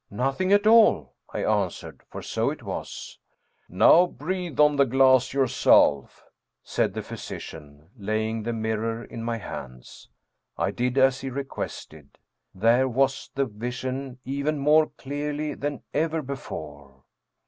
" Nothing at all," I answered, for so it was. " Now breathe on the glass yourself," said the physician, laying the mirror in my hands. I did as he requested. There was the vision even more clearly than ever before.